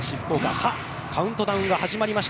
さあカウントダウンが始まりました。